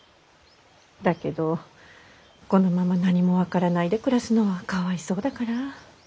だけどこのまま何も分からないで暮らすのはかわいそうだから。